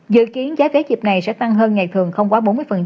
dự kiến giá vé dịp này sẽ tăng hơn ngày thường không quá bốn mươi